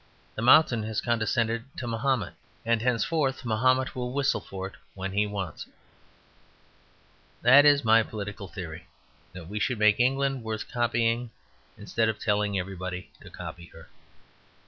The mountain has condescended to Mahomet; and henceforth Mahomet will whistle for it when he wants it. That is my political theory: that we should make England worth copying instead of telling everybody to copy her.